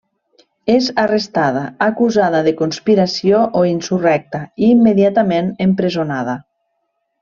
És arrestada, acusada de conspiració o insurrecta, i immediatament empresonada.